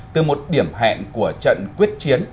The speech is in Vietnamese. từ một điểm hẹn của trận quyết chiến